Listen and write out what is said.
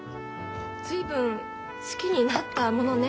随分好きになったものね。